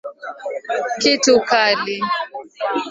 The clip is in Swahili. Kitu kali.